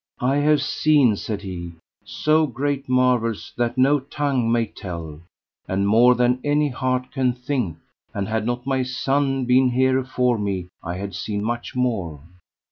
I have seen, said he, so great marvels that no tongue may tell, and more than any heart can think, and had not my son been here afore me I had seen much more.